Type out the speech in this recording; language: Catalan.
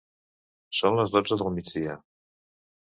Són les dotze del migdia.